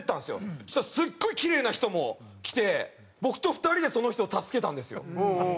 そしたらすごいキレイな人も来て僕と２人でその人を助けたんですよ。